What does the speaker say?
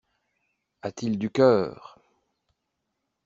A-t-il du cœur!